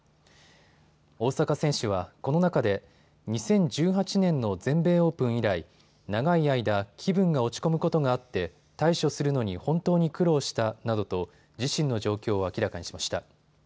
大坂選手はこの中で２０１８年の全米オープン以来、長い間、気分が落ち込むことがあって対処するのに本当に苦労したなどと自身の状況を明らかにしました。